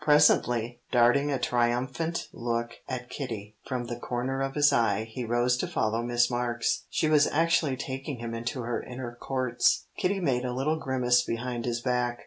Presently, darting a triumphant look at Kitty, from the corner of his eye, he rose to follow Miss Marks. She was actually taking him into her inner courts. Kitty made a little grimace behind his back.